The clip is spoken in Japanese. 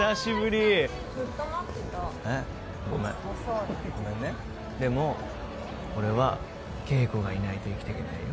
ずっと待ってたえっごめん遅いごめんねでも俺はケイコがいないと生きていけないよ